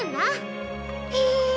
へえ！